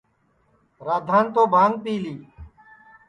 رادھان تو بھانگ پی لی